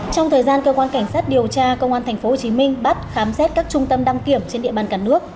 trong thời gian cơ quan cảnh sát điều tra công an tp hcm bắt khám xét các trung tâm đăng kiểm trên địa bàn cả nước